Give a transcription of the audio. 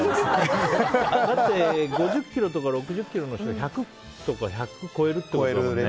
だって５０ｋｇとか６０ｋｇの人は１００とか１００超えるってことだもんね。